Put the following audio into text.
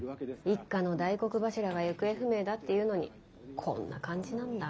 一家の大黒柱が行方不明だっていうのにこんな感じなんだ。